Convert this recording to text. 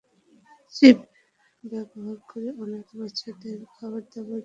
Chip ব্যাবহার করে অনাথ বাচ্চাদেরও খাবার-দাবার দেওয়া হয়।